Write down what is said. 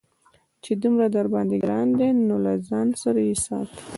چې دومره درباندې گران دى نو له ځان سره يې ساته.